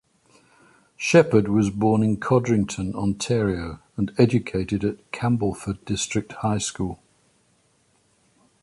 Sheppard was born in Codrington, Ontario, and educated at Campbellford District High School.